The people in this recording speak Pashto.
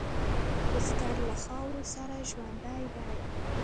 بزګر له خاورو سره ژوندی دی